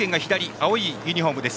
青いユニフォームです。